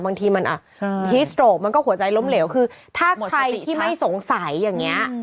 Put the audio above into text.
บางทีมันอ่ะฮีสโตรกมันก็หัวใจล้มเหลวคือถ้าใครที่ไม่สงสัยอย่างนี้